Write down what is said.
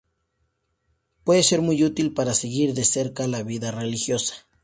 Puede ser muy útil para seguir de cerca la vida religiosa.